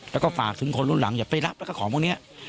แล้วก็ฝากถึงคนรุ่นหลังอย่าไปรับแล้วก็ของพวกนี้